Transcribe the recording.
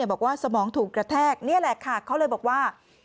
บอกว่าสมองถูกกระแทกนี่แหละค่ะเขาเลยบอกว่า